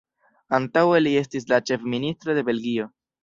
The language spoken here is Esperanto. Antaŭe li estis la ĉefministro de Belgio.